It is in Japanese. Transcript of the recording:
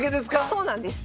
そうなんです。